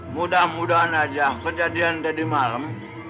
mudah mudahan aja kejadian tadi malam